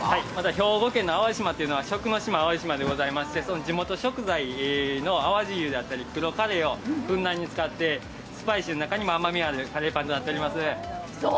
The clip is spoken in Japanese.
兵庫県の淡路島というのは、食の島でございますので、地元食材の淡路牛だったりたまねぎをふんだんに使って、スパイシーの中にも甘みのあるカレーパンになっています。